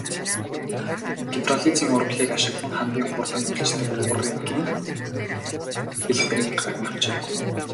Гидролизын урвалыг ашиглан хамгийн хурдан үйлчилдэг уургийн хэлбэрийг гарган авчээ.